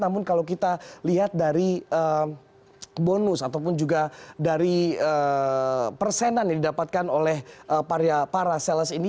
namun kalau kita lihat dari bonus ataupun juga dari persenan yang didapatkan oleh para sales ini